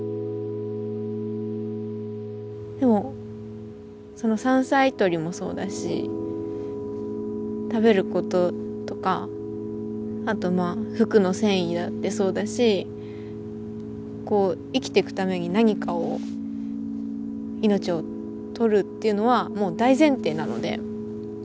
でもその山菜採りもそうだし食べることとかあとまあ服の繊維だってそうだしこう生きてくために何かをいのちを獲るっていうのはもう大前提なので。